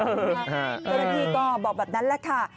เมื่อกี้ก็บอกแบบนั้นแหละค่ะ